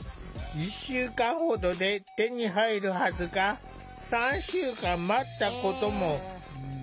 １週間ほどで手に入るはずが３週間待ったことも。